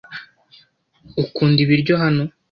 Ukunda ibiryo hano?